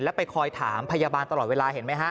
แล้วไปคอยถามพยาบาลตลอดเวลาเห็นไหมฮะ